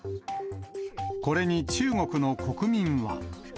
これに中国の国民は。